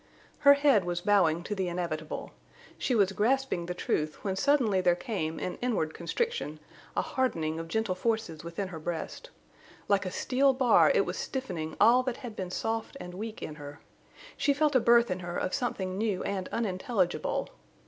Her head was bowing to the inevitable. She was grasping the truth, when suddenly there came, in inward constriction, a hardening of gentle forces within her breast. Like a steel bar it was stiffening all that had been soft and weak in her. She felt a birth in her of something new and unintelligible.